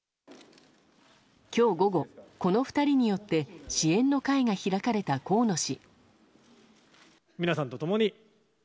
今日午後、この２人によって支援の会が開かれた河野氏。